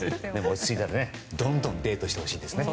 落ち着いたらどんどんデートしてほしいですね。